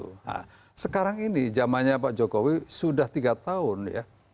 nah sekarang ini zamannya pak jokowi sudah tiga tahun ya